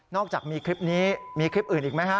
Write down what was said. อกจากมีคลิปนี้มีคลิปอื่นอีกไหมฮะ